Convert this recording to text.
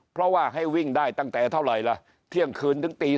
เพราะว่าให้วิ่งได้ตั้งแต่เท่าไหร่ล่ะเที่ยงคืนถึงตี